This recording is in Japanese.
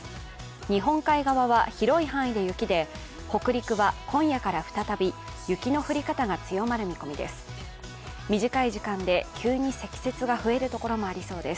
日本海側は、広い範囲で雪で、北陸は今夜から再び、雪の降り方が強まる見込みです。